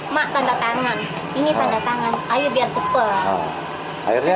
mak tanda tangan ini tanda tangan ayo biar cepat